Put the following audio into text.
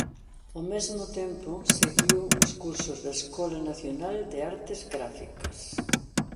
Ó mesmo tempo seguiu os cursos da Escola Nacional de Artes Gráficas.